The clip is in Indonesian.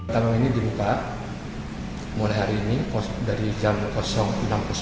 taman mini dibuka mulai hari ini dari jam enam